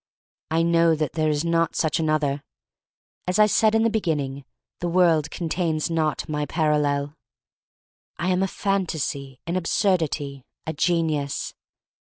I know that there is not such another. As I said in the beginning, the world con tains not my parallel. I am a fantasy — an absurdity— a genius!